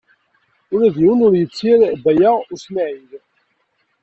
Ula d yiwen ur yettir Baya U Smaɛil.